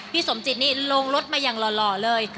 สมจิตนี่ลงรถมาอย่างหล่อเลย